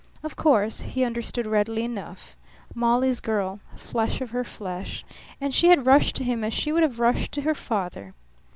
Of course he understood readily enough: Molly's girl, flesh of her flesh. And she had rushed to him as she would have rushed to her father.